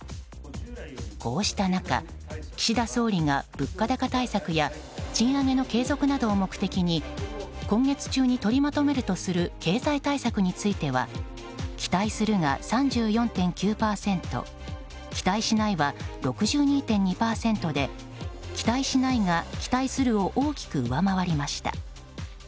こうした中、岸田総理が物価高対策や賃上げの継続などを目的に今月中に取りまとめるとする経済対策については期待するが３４．９％期待しないは６２．２％で期待しないが期待するを大きく上回りました。